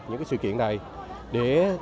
những sự kiện này để